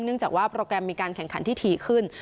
จากว่าโปรแกรมมีการแข่งขันที่ถี่ขึ้น